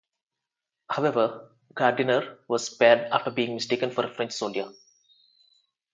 However, Gardiner was spared after being mistaken for a French soldier.